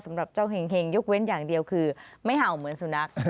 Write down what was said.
สำหรับเจ้าเห็งยกเว้นอย่างเดียวคือไม่เห่าเหมือนสุนัข